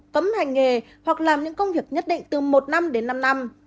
cấm hành nghề hoặc làm những công việc nhất định từ một năm đến năm năm